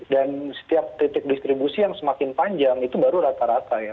dan setiap titik distribusi yang semakin panjang itu baru rata rata ya